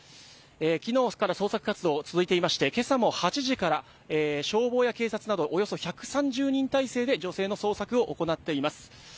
昨日から捜索活動が続いていまして今朝も８時から消防や警察などおよそ１３０人態勢で女性の捜索を行っています。